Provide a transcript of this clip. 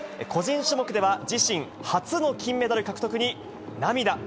個人種目では自身初の金メダル獲得に涙。